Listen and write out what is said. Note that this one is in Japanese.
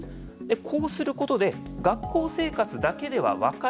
こうすることで学校生活だけでは分からない